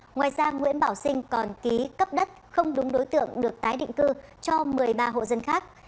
ngoài ra nguyễn bảo sinh còn ký cấp đất không đúng đối tượng được tái định cư cho một mươi ba hộ dân khác